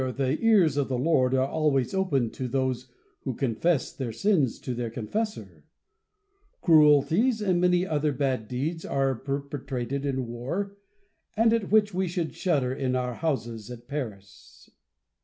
Sire, the ears of the Lord are always open to those who confess their sins to their confessor. Cruelties 30 IMA GIN A R V CON VERSA T/ONS. and many other bad deeds are perpetrated in war, at which we should shudder in our houses at Paris. Louis.